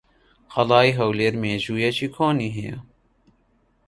قەڵای هەولێر مێژوویەکی کۆنی ھەیە.